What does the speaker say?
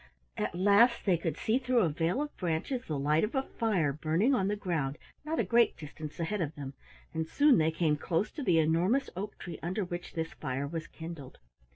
At last they could see through a veil of branches the light of a fire burning on the ground not a great distance ahead of them, and soon they came close to the enormous oak tree under which this fire was kindled.